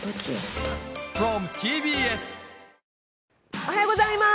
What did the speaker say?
おはようございます。